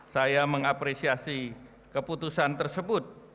saya mengapresiasi keputusan tersebut